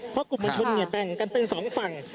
เพราะกลุ่มมวลชนเนี่ยแบ่งกันเป็นสองฝั่ง